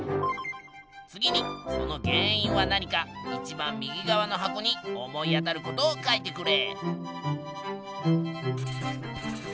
次にその原因は何かいちばん右側の箱に思い当たることを書いてくれ。